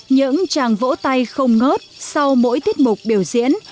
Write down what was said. những chàng vỗ tay không ngớt sau mỗi tiết mục biểu diễn